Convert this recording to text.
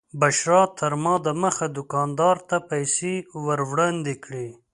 بشرا تر ما دمخه دوکاندار ته پیسې ور وړاندې کړې.